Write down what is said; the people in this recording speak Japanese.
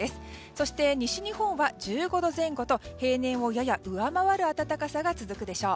そして西日本は１５度前後と平年をやや上回る暖かさが続くでしょう。